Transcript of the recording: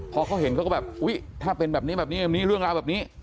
พอเขาเห็นเขาก็แบบอุ๊ยถ้าเป็นแบบนี้แบบนี้เรื่องราวแบบนี้